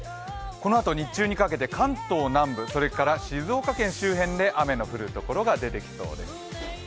このあと日中にかけて、関東南部それから静岡県にかけて雨の降るところが出てきそうです。